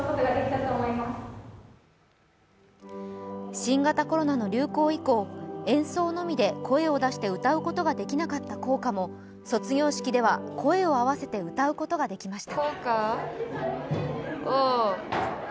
新型コロナの流行以降演奏のみで声を出して歌うことができなかった校歌も卒業式では声を合わせて歌うことができました。